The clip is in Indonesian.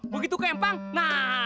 begitu ke empang nah